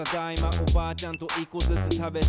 おばあちゃんと１こずつ食べていた。